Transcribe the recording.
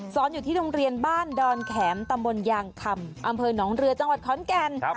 อยู่ที่โรงเรียนบ้านดอนแข็มตำบลยางคำอำเภอหนองเรือจังหวัดขอนแก่น